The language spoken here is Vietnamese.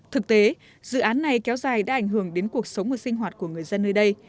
thực tế dự án này kéo dài đã ảnh hưởng đến cuộc sống và sinh hoạt của người dân nơi đây